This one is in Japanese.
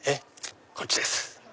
こっちです。